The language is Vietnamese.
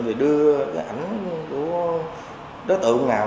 thì đưa cái ảnh của đối tượng nào